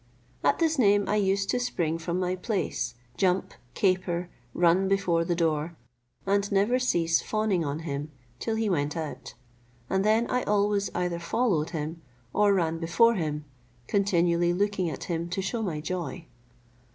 At this name I used to spring from my place, jump, caper, run before the door, and never cease fawning on him, till he went out; and then I always either followed him, or ran before him, continually looking at him to shew my joy.